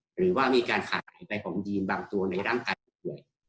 หรือว่ามีการขายใบของยีนบางตัวในร่างกายผู้ป่วย